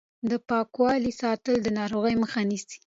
د پاکوالي ساتل د ناروغۍ مخه نیسي.